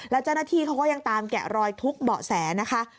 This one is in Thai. แล้วเจ้าหน้าที่เขาก็ยังตามแกะรอยทุกเบาะแสนะคะ